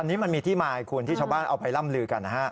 อันนี้มันมีที่มาให้คุณที่ชาวบ้านเอาไปล่ำลือกันนะฮะ